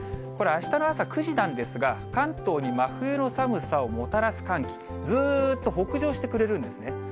これ、あしたの朝９時なんですが、関東に真冬の寒さをもたらす寒気、ずーっと北上してくれるんですね。